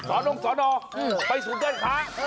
สอน้องสอนออกไปสู่เบื้องค้า